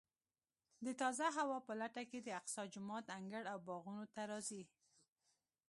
د تازه هوا په لټه کې د اقصی جومات انګړ او باغونو ته راځي.